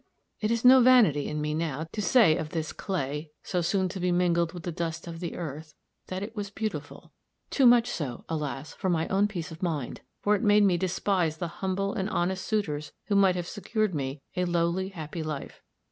It is no vanity in me, now, to say of this clay, so soon to be mingled with the dust of the earth, that it was beautiful too much so, alas, for my own peace of mind for it made me despise the humble and honest suitors who might have secured me a lowly, happy life.